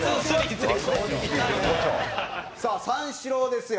さあ三四郎ですよ。